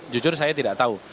jujur saya tidak tahu